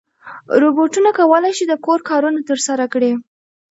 روبوټونه کولی شي د کور کارونه ترسره کړي.